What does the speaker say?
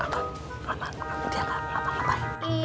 laman laman dia gak lapar lapar